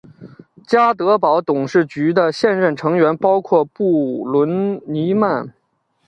家得宝董事局的现任成员包括布伦尼曼。